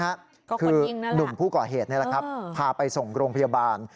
ก็คนยิงน่ะล่ะคือนุ่มผู้ก่อเหตุนี่แหละครับพาไปส่งโรงพยาบาล